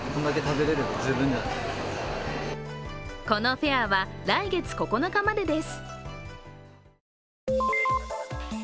このフェアは来月９日までです。